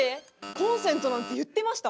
「コンセント」なんて言ってました？